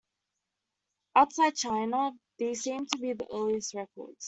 Outside China, these seem to be the earliest records.